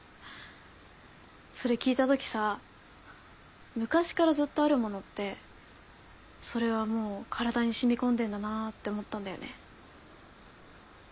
それ聞いたときさ昔からずっとあるものってそれはもう体に染み込んでんだなって思ったんだよね。